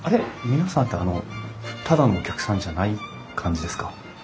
皆さんってあのただのお客さんじゃない感じですか？